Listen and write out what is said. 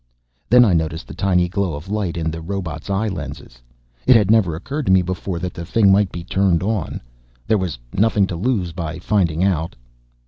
Then I noticed the tiny glow of light in the robot's eye lenses. It had never occurred to me before that the thing might be turned on. There was nothing to lose by finding out.